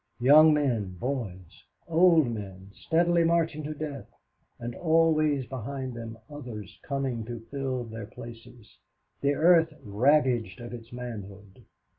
Young men, boys, old men, steadily marching to death, and always behind them others coming to fill their places the earth ravaged of its manhood.